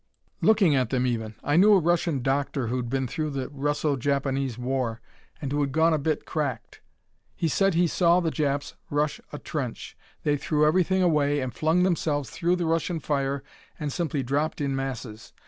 "Looking at them even. I knew a Russian doctor who'd been through the Russo Japanese war, and who had gone a bit cracked. He said he saw the Japs rush a trench. They threw everything away and flung themselves through the Russian fire and simply dropped in masses.